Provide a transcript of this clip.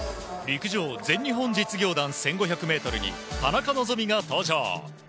陸上全日本実業団１５００ｍに田中希実が登場。